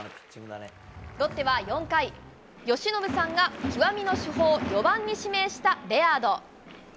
ロッテは４回由伸さんが、極みの主砲４番に指名したレアード。